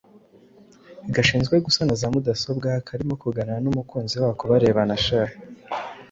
gashinzwe gusana za mudasobwa karimo kuganira n’umukunzi wako barebana sha!